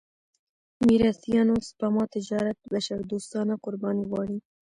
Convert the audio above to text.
میراثيانو سپما تجارت بشردوستانه قرباني غواړي.